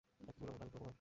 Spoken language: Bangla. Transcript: একই ভুল অন্তত আমি করব না!